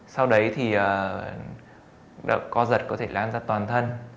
sau đấy thì co giật có thể lan ra toàn thân